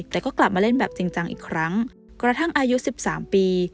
แต่ก็กลับมาเล่นแบบจริงจังอีกครั้งกระทั่งอายุ๑๓ปี